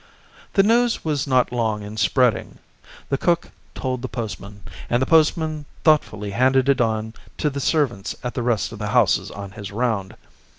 The news was not long in spreading. The cook told the postman, and the postman thoughtfully handed it on to the servants at the rest of the houses on his round.